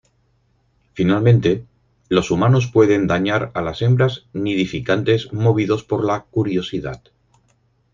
Finalmente, los humanos pueden dañar a las hembras nidificantes movidos por la curiosidad.